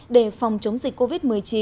để phòng chống dịch covid một mươi chín